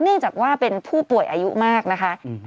เนื่องจากว่าเป็นผู้ป่วยอายุมากนะคะ